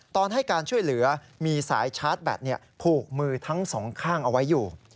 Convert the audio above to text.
ตอนให้การช่วยเหลือมีสายชาร์จแบตผูกมือทั้งสองข้างเอาไว้อยู่